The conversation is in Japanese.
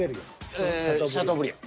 ええシャトーブリアン。